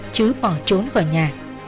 trứ bỏ trốn khỏi nhà